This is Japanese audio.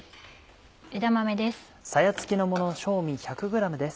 枝豆です。